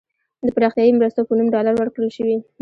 د پراختیايي مرستو په نوم ډالر ورکړل شوي.